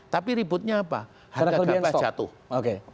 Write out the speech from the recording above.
tapi ributnya apa harga gabah jatuh